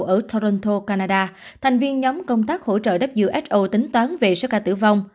ở toronto canada thành viên nhóm công tác hỗ trợ who tính toán về số ca tử vong